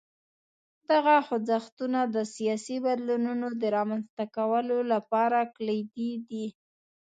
دغه خوځښتونه د سیاسي بدلونونو د رامنځته کولو لپاره کلیدي دي.